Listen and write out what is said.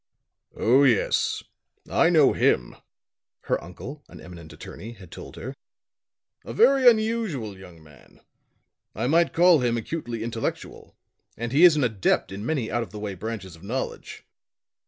"Oh, yes, I know him," her uncle, an eminent attorney, had told her. "A very unusual young man. I might call him acutely intellectual, and he is an adept in many out of the way branches of knowledge.